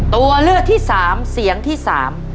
ตัวเลือกที่สามเสียงที่สาม